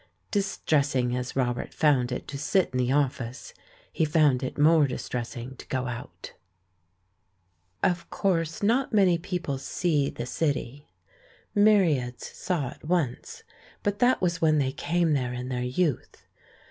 Distressing as Robert found it to sit in the office, he found it more distressing to go out. Of course not many people see the City. Myriads saw it once, but that was when they came there in their youth.